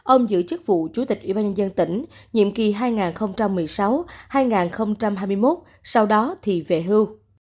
ông giữ chức vụ chủ tịch ủy ban nhân dân tỉnh nhiệm kỳ hai nghìn một mươi sáu hai nghìn hai mươi một sau đó thì về hưu